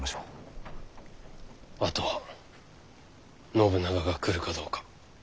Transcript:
あとは信長が来るかどうか。